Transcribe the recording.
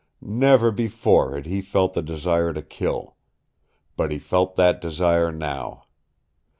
Never before had he felt the desire to kill. But he felt that desire now.